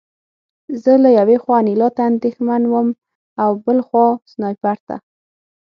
زه له یوې خوا انیلا ته اندېښمن وم او بل خوا سنایپر ته